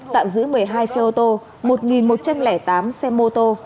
tạm giữ một mươi hai xe ô tô một một trăm linh tám xe mô tô